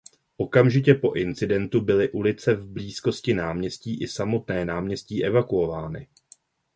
Okamžitě po incidentu byly ulice v blízkosti náměstí i samotné náměstí evakuovány.